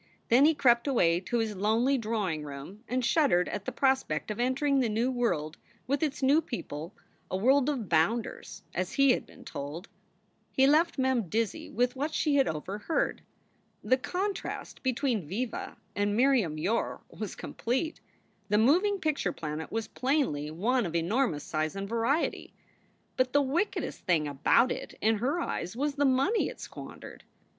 Then he crept away to his lonely drawing room and shud dered at the prospect of entering the new world with its new people, a world of bounders, as he had been told. He left Mem dizzy with what she had overheard. The contrast between Viva and Miriam Yore was complete. The moving picture planet was plainly one of enormous size and variety. But the wickedest thing about it in her eyes was the money it squandered.